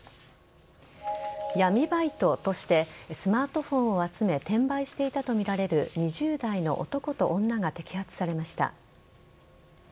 闇バイトとしてスマートフォンを集め転売していたとみられる２０代の男と女が摘発されました。